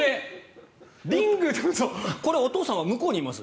これ、お父さんは向こうにいます？